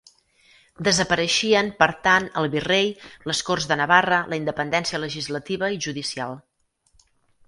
Desapareixien, per tant el virrei, les Corts de Navarra, la independència legislativa i judicial.